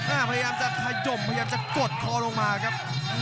พยายามจะขยมพยายามจะกดคอลงมาครับ